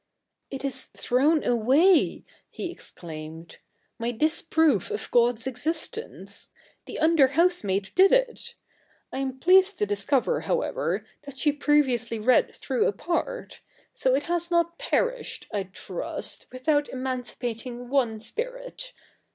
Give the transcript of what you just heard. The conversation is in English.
' It is thrown away,' he exclaimed ;' my disproof ot God's existence. The under housemaid did it ; I am pleased to discover, however, that she previously read through a part ; so it has not perished, I trust, without CH. ii] THE NEW REPUBLIC 237 emancipating one spirit.